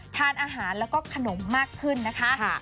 ทานอาหารแล้วก็ขนมมากขึ้นนะคะ